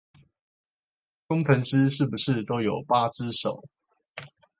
工程師是不是都有八隻手